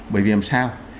bởi vì làm sao